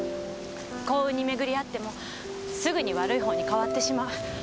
幸運に巡り合ってもすぐに悪いほうに変わってしまう。